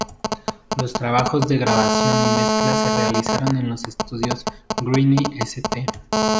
Los trabajos de grabación y mezcla se realizaron en los estudios Greene St.